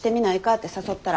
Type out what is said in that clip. って誘ったら。